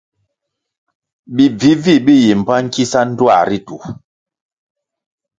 Bi bvih-bvih bi yi mbpa nkisa ndtuā ri.